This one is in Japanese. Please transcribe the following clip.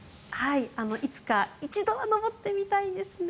いつかは一度は登ってみたいですね。